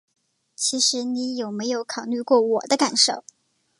其实你有没有考虑过我的感受？